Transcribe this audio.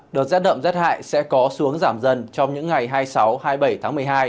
đợt rét đậm rét hại sẽ có xuống giảm dần trong những ngày hai mươi sáu hai mươi bảy tháng một mươi hai